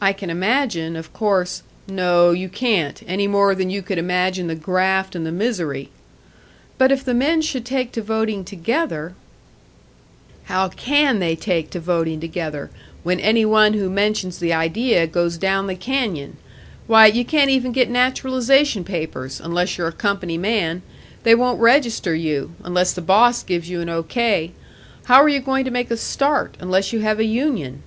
"I can imagine, of course " "No, you can't. Any more than you could imagine the graft and the misery!" "But if the men should take to voting together " "How can they take to voting together when any one who mentions the idea goes down the canyon? Why, you can't even get naturalisation papers, unless you're a company man; they won't register you, unless the boss gives you an O. K. How are you going to make a start, unless you have a union?"